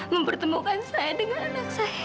mempertemukan saya dengan anak saya